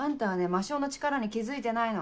魔性の力に気付いてないの。